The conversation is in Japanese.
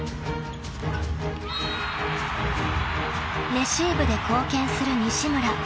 ［レシーブで貢献する西村］